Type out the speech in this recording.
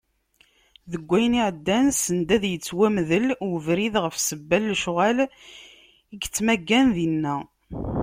Deg wayen iɛeddan, send ad yettwamdel ubrid ɣef sebba n lecɣal i yettmaggan dinna.